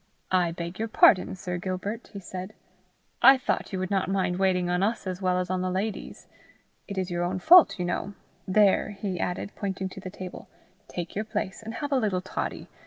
"I beg your pardon, Sir Gilbert," he said; "I thought you would not mind waiting on us as well as on the ladies. It is your own fault, you know. There," he added, pointing to the table; "take your place, and have a little toddy.